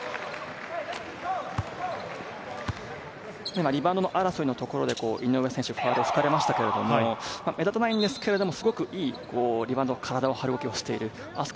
今、リバウンド争いのところで井上選手、しっかり出ましたけれども、目立たないんですけれども、すごくいいリバウンド、体を張る動きをしています。